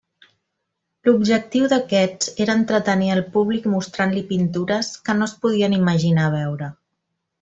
L'objectiu d'aquests era entretenir al públic mostrant-li pintures que no es podien imaginar veure.